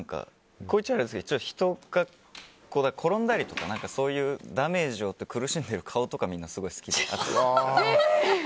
こう言っちゃ悪いんですけど人が転んだりとかそういうダメージを負って苦しんでる顔とか見るのがすごい好きで。